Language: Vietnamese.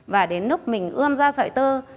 và đến lúc mình ươm ra sợi tơ